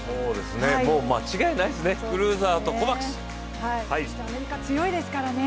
もう間違いないですね